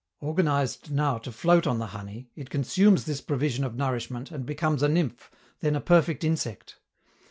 Organized now to float on the honey, it consumes this provision of nourishment, and becomes a nymph, then a perfect insect.